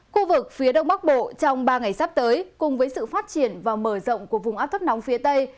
khu vực phía đông bắc bộ trong ba ngày sắp tới cùng với sự phát triển và mở rộng của vùng áp thấp nóng phía tây